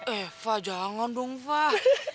eh fah jangan dong fah